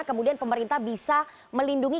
kemudian pemerintah bisa melindungi